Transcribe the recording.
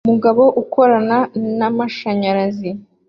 Umugabo ukorana na mashanyarazi